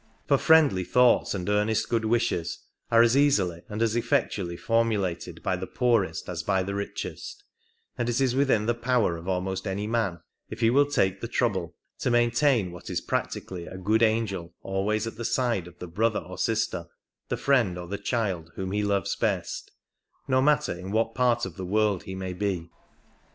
For friendly thoughts and earnest good wishes are as easily and as effectually formu lated by the poorest as by the richest, and it is within the power of almost any man, if he will take the trouble, to maintain what is practically a good angel always at the side of the brother or sister, the friend or the child whom he loves best, no matter in what part of the world he may be.